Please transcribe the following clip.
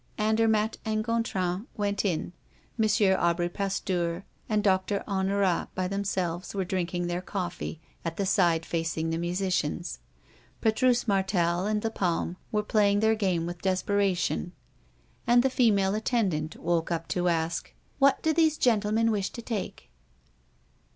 Andermatt and Gontran went in. M. Aubry Pasteur and Doctor Honorat, by themselves, were drinking their coffee, at the side facing the musicians. Petrus Martel and Lapalme were playing their game with desperation; and the female attendant woke up to ask: "What do these gentlemen wish to take?"